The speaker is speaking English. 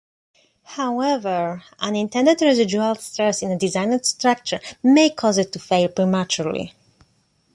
However, unintended residual stress in a designed structure may cause it to fail prematurely.